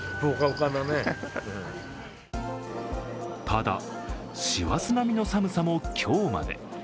ただ、師走並みの寒さも今日まで。